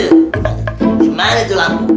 aduh dimana tuh lampu